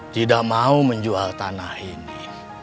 tidak mau menjual tanah ini